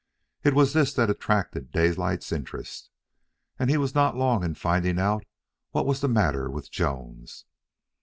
It was this that attracted Daylight's interest, and he was not long in finding out what was the matter with Jones.